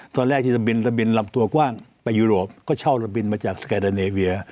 ตอนแรกที่ระบินลำตัวกว้างไปยุโรปก็เช่าระบินมาจากสแกเดอร์เนเวีย